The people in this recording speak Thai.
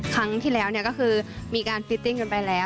ครั้งที่แล้วก็คือมีการฟิตติ้งกันไปแล้ว